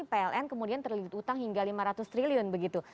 pln kemudian terlibat utang hingga lima ratus triliun begitu